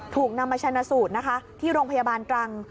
ถูกนำมาชนะสูตรนะคะที่โรงพยาบาลตรัง